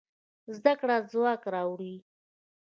زده کړه ځواک راوړي.